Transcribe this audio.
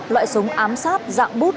loại súng ám sáp dạng bút